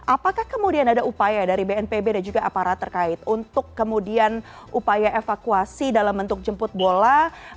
apakah kemudian ada upaya dari bnpb dan juga aparat terkait untuk kemudian upaya evakuasi dalam bentuk jemput bola